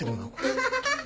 アハハハ！